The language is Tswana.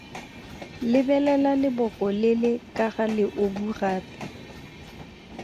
Lebelela leboko le le ka ga leobu gape.